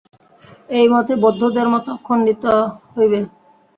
এই মতে বৌদ্ধদের মত খণ্ডিত হইবে।